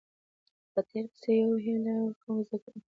په تير پسې يو بل هيله ورکوونکۍ زده کوونکي